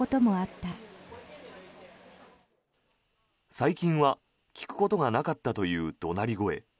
最近は聞くことがなかったという怒鳴り声。